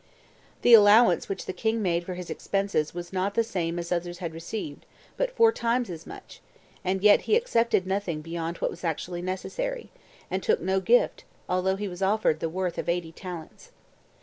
The allowance which the king made for his expenses was not the same as others had received, but four times as much, and yet he accepted nothing beyond what was actually necessary, and took no gift, although he was offered the worth of eighty talents.